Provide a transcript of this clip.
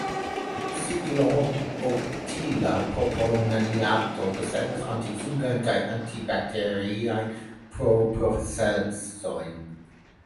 Ciklooktila propionato posedas antifungajn kaj antibakteriajn proprecojn.